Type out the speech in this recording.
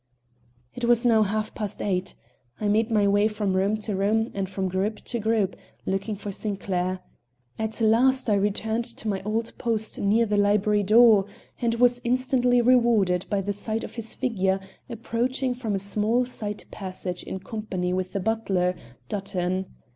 It was now half past eight. I made my way from room to room and from group to group, looking for Sinclair. At last I returned to my old post near the library door, and was instantly rewarded by the sight of his figure approaching from a small side passage in company with the butler, Dutton.